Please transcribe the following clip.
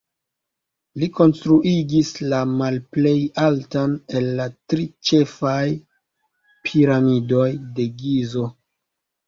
Li konstruigis la malplej altan el la tri ĉefaj Piramidoj de Gizo.